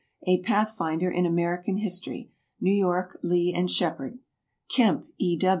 "A Pathfinder in American History." New York, Lee and Sheppard. KEMP, E.